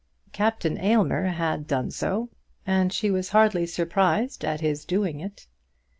Captain Aylmer had done so, and she was hardly surprised at his doing it.